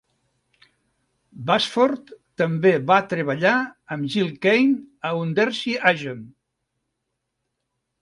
Bassford també va treballar amb Gil Kane a "Undersea Agent".